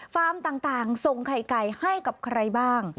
ต่างส่งไข่ไก่ให้กับใครบ้าง